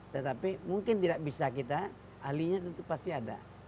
tetapi mungkin tidak bisa kita ahlinya tentu pasti ada